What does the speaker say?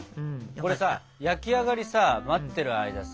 これさ焼き上がりさ待ってる間さ